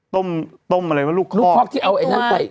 ต้มต้มอะไรว่าลูกคอกลูกคอกที่เอาไอ้น้อยไป